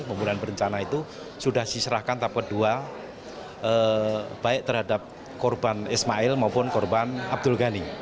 pembunuhan berencana itu sudah diserahkan tahap kedua baik terhadap korban ismail maupun korban abdul ghani